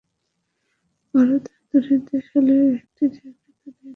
ভারত আর দূরের দেশ হলেও একটি জায়গায় তাদের নিয়মিত দেখা হয়।